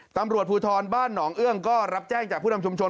ตำรวจภูทรบ้านหนองเอื้องก็รับแจ้งจากผู้นำชุมชน